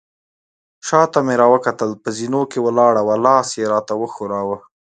شاته مې راوکتل، په زینو کې ولاړه وه، لاس يې راته وښوراوه.